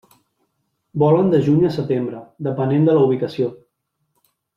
Volen de juny a setembre, depenent de la ubicació.